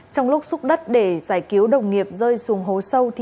trong lúc xúc đất để giải cứu đồng nghiệp rơi xuống hố sâu